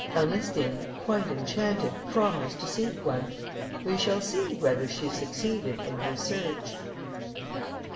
Ernestine, quite enchanted, promised to seek one; we shall see whether she succeeded in her search.